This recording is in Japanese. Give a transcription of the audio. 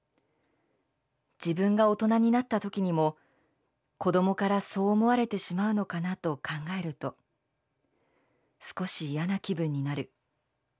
自分が大人になった時にも子供からそう思われてしまうのかなと考えると少し嫌な気分になる。